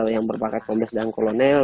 yang berpakat kompes dan kolonel